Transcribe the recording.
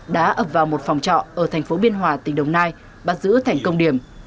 đã ập vào một phòng trọ ở thành phố biên hòa tỉnh đồng nai bắt giữ thành công điểm